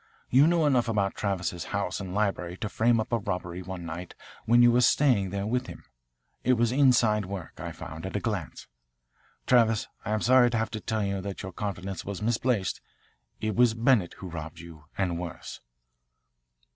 You knew enough about Travis's house and library to frame up a robbery one night when you were staying there with him. It was inside work, I found, at a glance. Travis, I am sorry to have to tell you that your confidence was misplaced. It was Bennett who robbed you and worse.